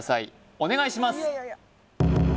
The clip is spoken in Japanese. お願いします！